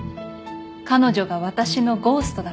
彼女が私のゴーストだから。